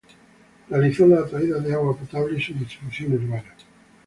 Realizó la traída de agua potable y su distribución urbana.